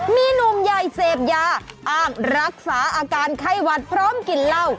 มีหนุ่มใหญ่เสพยาอ้างรักษาอาการไข้หวัดพร้อมกินเหล้า